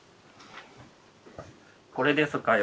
これですかよ。